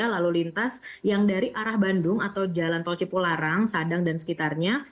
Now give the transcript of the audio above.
lalu lintas yang dari arah bandung atau jalan tol cipularang sadang dan sekitarnya